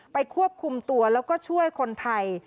ควบคุมตัวแล้วก็ช่วยคนไทย